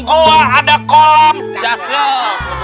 gua ada kolam jagel